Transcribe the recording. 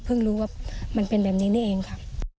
รู้ว่ามันเป็นแบบนี้นี่เองค่ะ